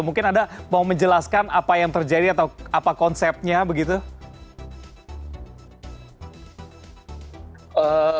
mungkin anda mau menjelaskan apa yang terjadi atau apa konsepnya begitu